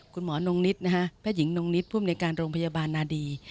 คุณหมอนงนิษฐ์ผ้าหญิงนงนิษฐ์ผู้บริการโรงพยาบาลนาดี